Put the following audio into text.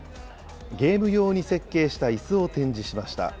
ゲーム用に設計したいすを展示しました。